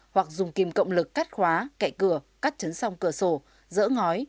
hoặc dùng kim cộng lực cắt khóa cậy cửa cắt chấn xong cửa sổ dỡ ngói